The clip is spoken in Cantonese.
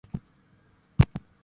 你塊面爆冊喎